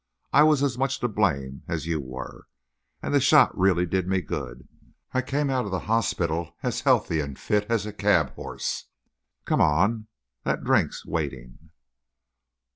I was as much to blame as you were; and the shot really did me good—I came out of the hospital as healthy and fit as a cab horse. Come on; that drink's waiting."